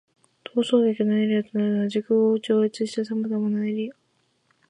逃走劇の舞台となるのは、時空を超越した様々なエリア。